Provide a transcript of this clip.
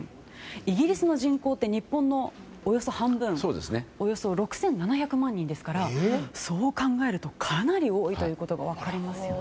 イギリスの人口って日本のおよそ半分およそ６７００万人ですからそう考えると、かなり多いということが分かりますよね。